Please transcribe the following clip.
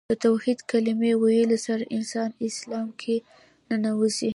د توحید کلمې ویلو سره انسان اسلام کې ننوځي .